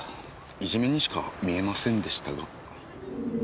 いじめにしか見えませんでしたが。